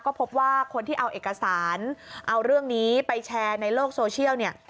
ก็พบว่าคนที่เอาเอกสารเอาเรื่องนี้ไปแชร์ในโลกโซเชียลเนี่ย